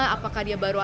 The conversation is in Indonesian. apakah dia berada di mana